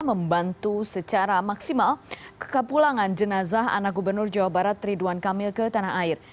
membantu secara maksimal kekapulangan jenazah anak gubernur jawa barat ridwan kamil ke tanah air